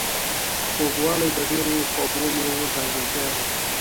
خوږوالی د ډیرو خواږو میوو ځانګړتیا ده.